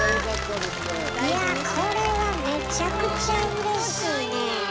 いやこれはめちゃくちゃうれしいねえ！